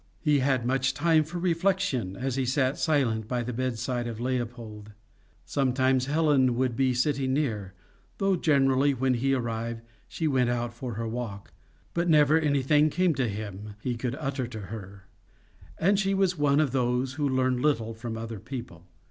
He had much time for reflection as he sat silent by the bedside of Leopold. Sometimes Helen would be sitting near, though generally when he arrived she went out for her walk, but never anything came to him he could utter to her. And she was one of those who learn little from other people.